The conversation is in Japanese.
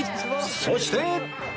そして